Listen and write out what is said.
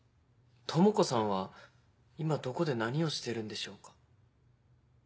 智子さんは今どこで何をしてるんでしょうか？